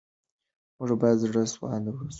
موږ باید زړه سوانده اوسو.